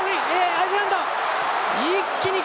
アイルランド！